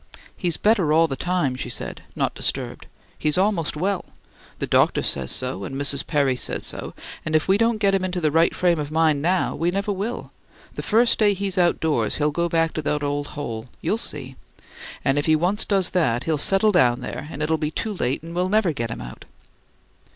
"He's better all the time," she said, not disturbed. "He's almost well. The doctor says so and Miss Perry says so; and if we don't get him into the right frame of mind now we never will. The first day he's outdoors he'll go back to that old hole you'll see! And if he once does that, he'll settle down there and it'll be too late and we'll never get him out."